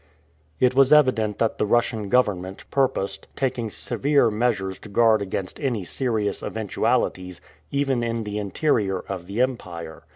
It was evident that the Russian government purposed taking severe measures to guard against any serious eventualities even in the interior of the empire.